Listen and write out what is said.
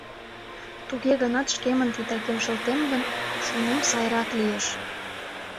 Туге гынат шкемын титакем шылтем гын, шонем, сайрак лиеш.